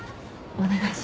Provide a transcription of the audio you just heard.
お願いします。